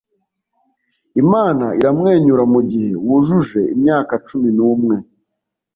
imana iramwenyura mugihe wujuje imyaka cumi n'umwe.